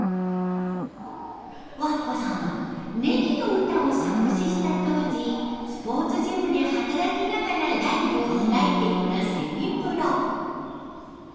ｗａｋｋｏさんはネギの歌を作詞した当時スポーツジムで働きながらライブを開いていたセミプロ。